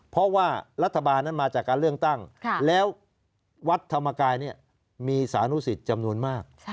เพราะว่ารัฐบาลนั้นมาจากการเลือกตั้งแล้ววัดธรรมกายมีสานุสิตจำนวนมาก